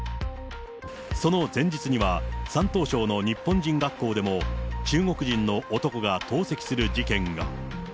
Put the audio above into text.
その前日には、山東省の日本人学校でも中国人の男が投石する事件が。